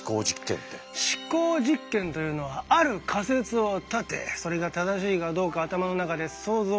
思考実験というのはある仮説を立てそれが正しいかどうか頭の中で想像しながら検証するんだ。